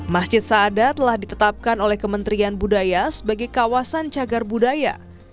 masjid saada telah ditetapkan oleh kementerian budaya sebagai kawasan cagar budaya